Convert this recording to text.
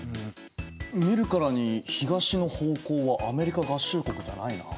見るからに東の方向はアメリカ合衆国じゃないなあ。